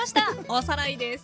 おさらいです。